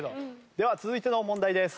では続いての問題です。